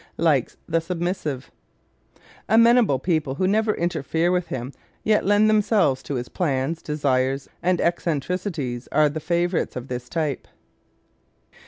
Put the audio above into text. Likes the Submissive ¶ Amenable people who never interfere with him yet lend themselves to his plans, desires and eccentricities are the favorites of this type.